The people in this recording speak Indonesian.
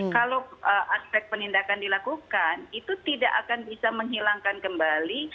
kalau aspek penindakan dilakukan itu tidak akan bisa menghilangkan kembali